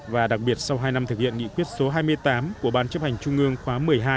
và đặc biệt sau hai năm thực hiện nghị quyết số hai mươi tám của ban chấp hành trung ương khóa một mươi hai